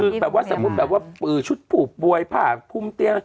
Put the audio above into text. ก็แบบว่าสมมุติเปิดชุดผูบบวยผากพุมเตียง